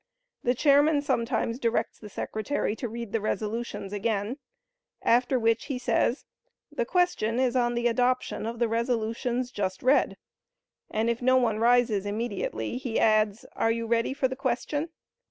The chairman sometimes directs the secretary to read the resolutions again, after which he says, "The question is on the adoption of the resolutions just read," and if no one rises immediately, he adds, "Are you ready for the question?"